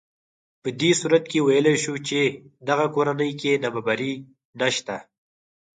په دې صورت کې ویلی شو چې دغه کورنۍ کې نابرابري نهشته